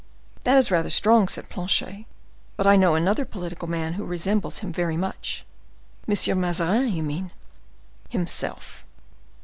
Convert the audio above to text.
"That is rather strong," said Planchet; "but I know another political man who resembles him very much." "M. Mazarin you mean?" "Himself."